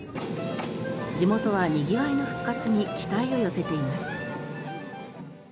地元はにぎわいの復活に期待を寄せています。